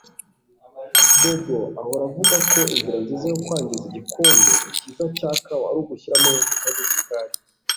Bobo ahora avuga ko inzira nziza yo kwangiza igikombe cyiza cya kawa ari ugushiramo amavuta nisukari